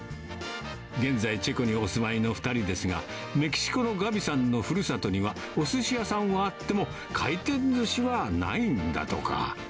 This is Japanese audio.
現在、チェコにお住まいの２人ですが、メキシコのガビさんのふるさとには、おすし屋さんはあっても、回転ずしはないんだとか。